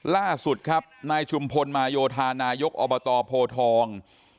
ล่าสุดครับนายชุมพลมาโยธานายกอบตโพทอง